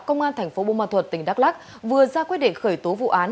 công an tp bông ma thuật tỉnh đắk lắc vừa ra quyết định khởi tố vụ án